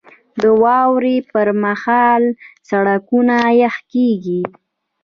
• د واورې پر مهال سړکونه یخ کېږي.